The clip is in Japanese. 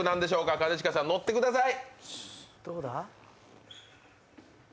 兼近さん乗ってください。